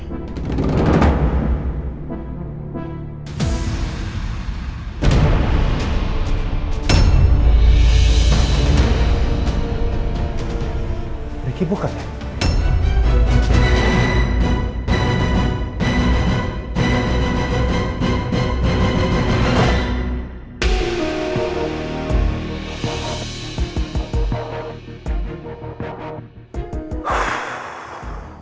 bagaimana kasih pak luar biasadh